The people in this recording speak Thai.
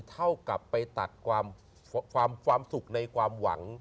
เท่ากับไปตัดความสุขในความหวัง